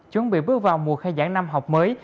chuẩn bị bước vào mùa khai giảng năm học mới